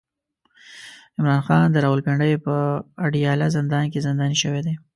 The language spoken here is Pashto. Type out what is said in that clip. عمران خان د راولپنډۍ په اډياله زندان کې زنداني شوی دی